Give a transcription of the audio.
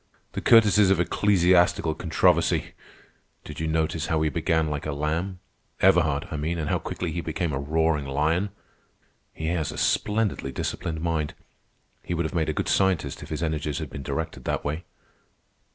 "'The courtesies of ecclesiastical controversy!' Did you notice how he began like a lamb—Everhard, I mean, and how quickly he became a roaring lion? He has a splendidly disciplined mind. He would have made a good scientist if his energies had been directed that way."